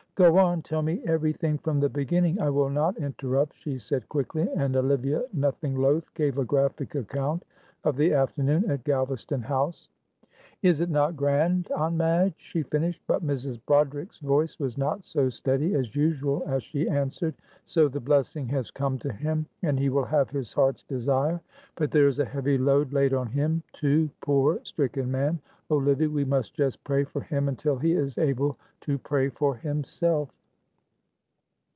"Go on. Tell me everything from the beginning. I will not interrupt," she said, quickly, and Olivia, nothing loath, gave a graphic account of the afternoon at Galvaston House. "Is it not grand, Aunt Madge?" she finished, but Mrs. Broderick's voice was not so steady as usual as she answered, "So the blessing has come to him, and he will have his heart's desire; but there is a heavy load laid on him, too, poor, stricken man. Oh, Livy, we must just pray for him until he is able to pray for himself."